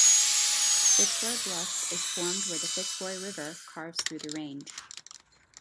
Fitzroy Bluff is formed where the Fitzroy River carves through the range.